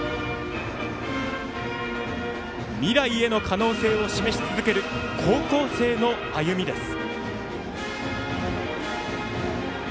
未来への可能性を示し続ける高校生の歩みです。